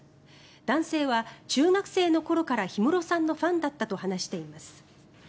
男性は中学生の頃から氷室さんのファンだったと話しています。